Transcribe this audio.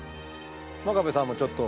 真壁さんもちょっと。